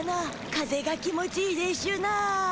風が気持ちいいでしゅな。